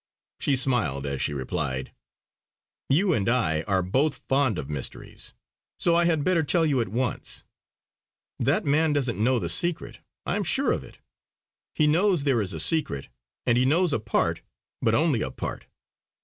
She smiled as she replied: "You and I are both fond of mysteries. So I had better tell you at once. That man doesn't know the secret. I am sure of it. He knows there is a secret; and he knows a part, but only a part.